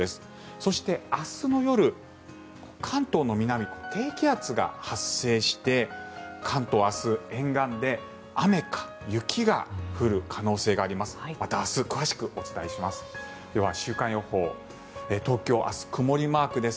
そして、明日の夜関東の南、低気圧が発生して関東、明日、沿岸で雨か雪が降る可能性があります。